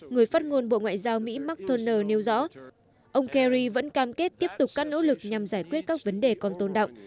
người phát ngôn bộ ngoại giao mỹ mark toner nêu rõ ông kerry vẫn cam kết tiếp tục các nỗ lực nhằm giải quyết các vấn đề còn tồn động